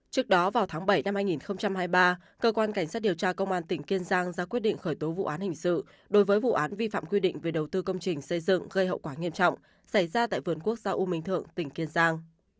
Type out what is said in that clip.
trước đó vào tháng bảy năm hai nghìn hai mươi ba cơ quan cảnh sát điều tra công an tỉnh kiên giang ra quyết định khởi tố vụ án hình sự đối với vụ án vi phạm quy định về đầu tư công trình xây dựng gây hậu quả nghiêm trọng xảy ra tại vườn quốc gia u minh thượng tỉnh kiên giang